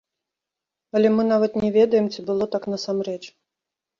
Але мы нават не ведаем, ці было так насамрэч.